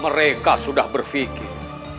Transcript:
mereka sudah berpikir